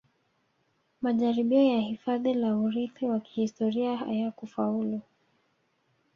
Majaribio ya hifadhi la urithi wa kihistoria hayakufaulu